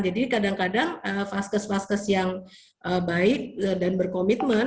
jadi kadang kadang vaskes vaskes yang baik dan berkomitmen